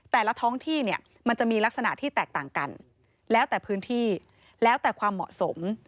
แต่ละท้องที่เนี่ยมันจะมีลักษณะที่แตกต่างกันแล้วแต่พื้นที่แล้วแต่ความเหมาะสม